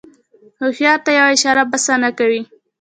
هوښیار ته یوه اشاره بسنه کوي.